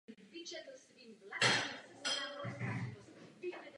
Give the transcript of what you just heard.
Podle této prezentace by lanová dráha byla čtyřikrát levnější než vybudování tramvajové trati.